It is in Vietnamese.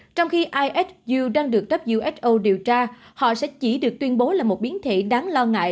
trong khi ihu đang được who điều tra họ sẽ chỉ được tuyên bố là một biến thể đáng lo ngại